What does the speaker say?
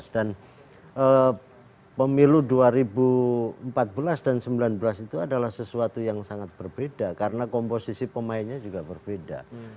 dan pemilu dua ribu empat belas dan dua ribu sembilan belas itu adalah sesuatu yang sangat berbeda karena komposisi pemainnya juga berbeda